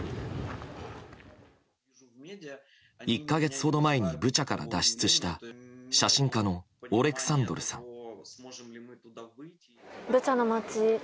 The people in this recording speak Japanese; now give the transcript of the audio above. １か月ほど前にブチャから脱出した写真家のオレクサンドルさん。